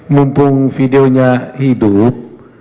mumpung videonya hidup